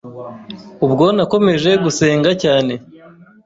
ubwo nakomeje gusenga cyane